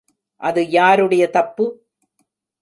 அது யாருடைய தப்பு?